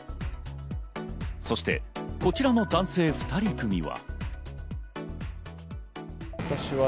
そして、こちらの男性２人組は。